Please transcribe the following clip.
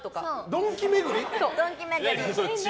ドンキ巡り。